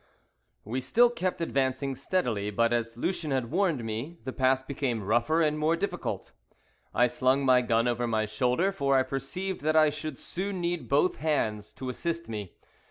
WE still kept advancing steadily, but, as Lucien had warned me, the path became rougher and more difficult. I slung my gun over my shoulder, for I perceived that I should soon need both hands to assist me.